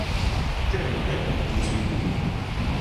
Tel est mon avis, Monsieur !